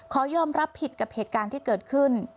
ขอยอมรับผิดกับเหตุการณ์ที่เกิดขึ้น